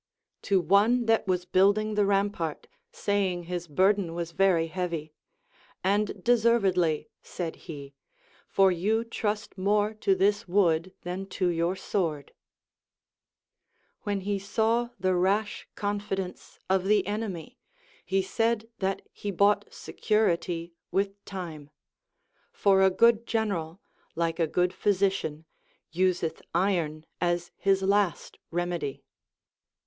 To one that was building the rampart, saying his burthen was very heavy. And deservedly, said he, for you trust more to this wood than to your sword. When he saAV the rash confidence of the enemy, he said that he bought security with time ; for a good general, like a good physician, useth iron as his last remedy.